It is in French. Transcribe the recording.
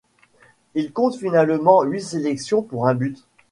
Il compte finalement huit sélections pour un but.